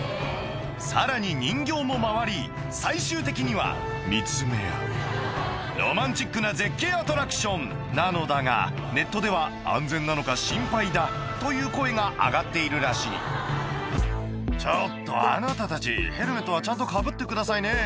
さらに人形も回り最終的には見つめ合うロマンチックな絶景アトラクションなのだがネットでは「安全なのか心配だ」という声が上がっているらしい「ちょっとあなたたちヘルメットはちゃんとかぶってくださいね」